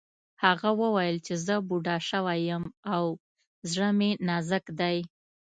هغه وویل چې زه بوډا شوی یم او زړه مې نازک دی